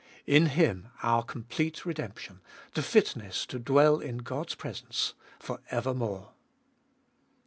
In Him our complete redemption, the fitness to dwell in God's presence for evermore.